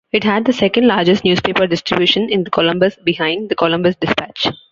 It had the second-largest newspaper distribution in Columbus behind "The Columbus Dispatch".